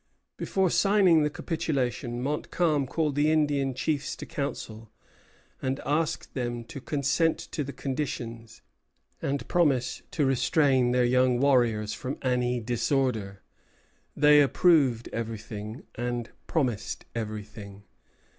Before signing the capitulation Montcalm called the Indian chiefs to council, and asked them to consent to the conditions, and promise to restrain their young warriors from any disorder. They approved everything and promised everything.